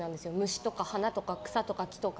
虫とか花とか草とか木とか。